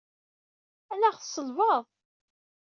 Anaɣ tselbeḍ?